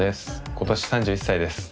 今年３１歳です。